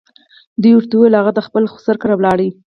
دوی ورته وویل هغه د خپل خسر کره ولاړ.